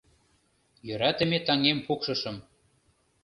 Йӧратыме таҥем пукшышым.